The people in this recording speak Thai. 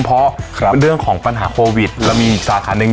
เพราะเรื่องของปัญหาโควิดเรามีอีกสาขาหนึ่ง